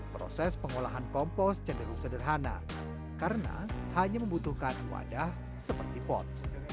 proses pengolahan kompos cenderung sederhana karena hanya membutuhkan wadah seperti pot